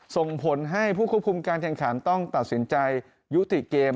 ส่งผลให้ผู้ควบคุมการแข่งขันต้องตัดสินใจยุติเกม